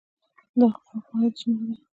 د اوقافو عاید څومره دی؟